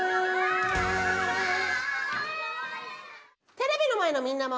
テレビのまえのみんなも。